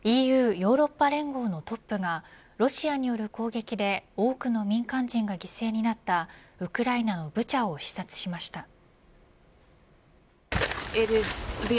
ＥＵヨーロッパ連合のトップがロシアによる攻撃で多くの民間人が犠牲になったウクライナのブチャを視察しました。